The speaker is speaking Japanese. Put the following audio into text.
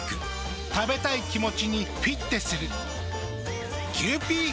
食べたい気持ちにフィッテする。